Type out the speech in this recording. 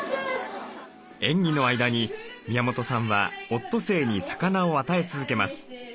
演技の間に宮本さんはオットセイに魚を与え続けます。